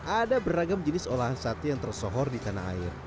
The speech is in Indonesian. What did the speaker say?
ada beragam jenis olahan sate yang tersohor di tanah air